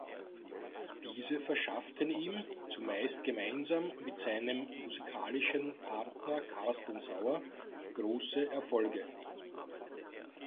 Diese verschafften ihm, zumeist gemeinsam mit seinem musikalischen Partner Carsten Sauer, große Erfolge.